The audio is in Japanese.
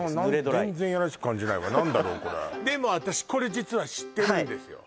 これでも私これ実は知ってるんです